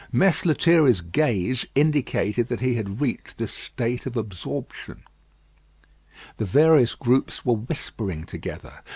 Mess Lethierry's gaze indicated that he had reached this state of absorption. The various groups were whispering together.